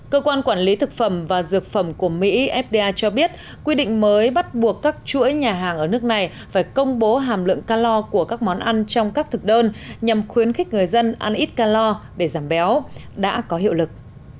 cơ quan quản lý thực phẩm và dược phẩm của mỹ fda cho biết quy định mới bắt buộc các chuỗi nhà hàng ở nước này phải công bố hàm lượng calor của các món ăn trong các thực đơn nhằm khuyến khích người dân ăn ít calor để giảm béo đã có hiệu lực